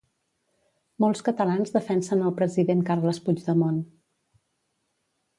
Molts catalans defensen al President Carles Puigdemont